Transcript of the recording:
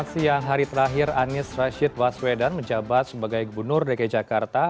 siang hari terakhir anies rashid baswedan menjabat sebagai gubernur dki jakarta